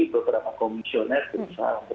beberapa komisioner berusaha untuk